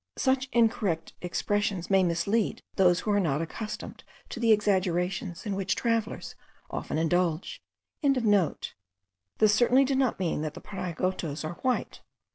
Such incorrect expressions may mislead those who are not accustomed to the exaggerations in which travellers often indulge.) This certainly did not mean that the Pariagotos are white.